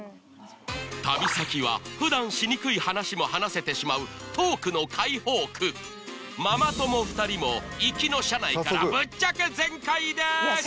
旅先は普段しにくい話も話せてしまうトークの開放区ママ友２人も行きの車内からぶっちゃけ全開です